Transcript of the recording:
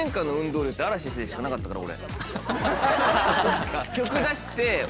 俺。